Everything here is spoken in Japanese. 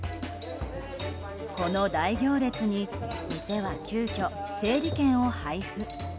この大行列に店は急きょ、整理券を配布。